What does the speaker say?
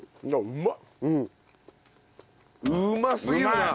うますぎるな！